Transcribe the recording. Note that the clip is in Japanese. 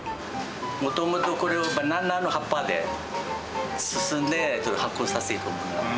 もともとこれをバナナの葉っぱで包んで、発酵させる。